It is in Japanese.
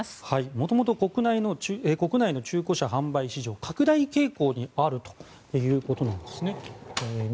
もともと国内の中古車販売市場は拡大傾向にあるということなんですね。